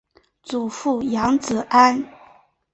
祖父杨子安。